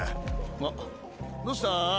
あっどうした？